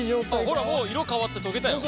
ほらもう色変わって溶けたよ！